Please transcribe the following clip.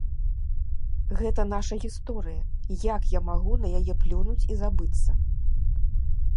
Гэта наша гісторыя, як я магу на яе плюнуць і забыцца.